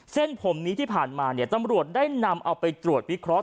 เส้นผมนี้ที่ผ่านมาเนี่ยตำรวจได้นำเอาไปตรวจวิเคราะห